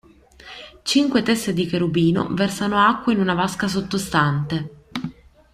Cinque teste di cherubino versano acqua in una vasca sottostante.